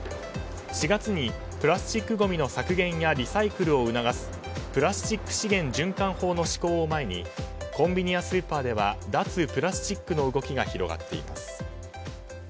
４月にプラスチックごみの削減やリサイクルを促すプラスチック資源循環法の施行を前にコンビニやスーパーでは脱プラスチックの動きが広がっています。